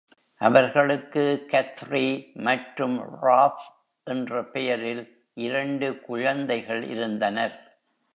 அவர்களுக்கு கத்ரி மற்றும் ராப் என்ற பெயரில் இரண்டு குழந்தைகள் இருந்தனர்.